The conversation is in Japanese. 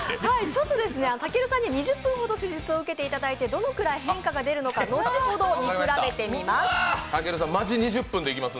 ちょっとたけるさんに２０分ほど施術を受けていただいてどのくらい変化が出るのか、後ほど見比べてみます。